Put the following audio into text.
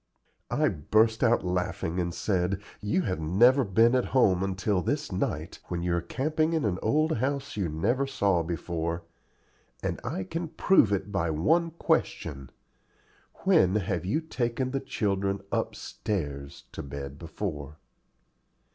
I burst out laughing and said, "You have never been at home until this night, when you are camping in an old house you never saw before, and I can prove it by one question When have you taken the children UPSTAIRS to bed before?"